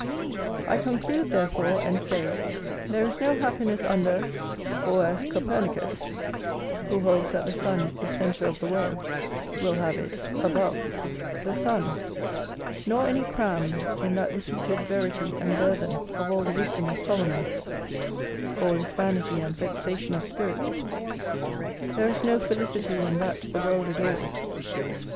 I conclude therefore, and say, there is no happiness under (or, as Copernicus[T] will have it, above) the sun; nor any crambe in that repeated verity and burthen of all the wisdom of Solomon: "All is vanity and vexation of spirit;" there is no felicity in that the world adores.